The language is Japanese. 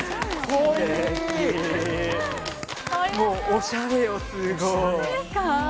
おしゃれよ、すごい。